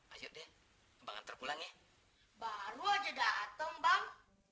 ayo deh bang terpulang ya baru aja dateng bang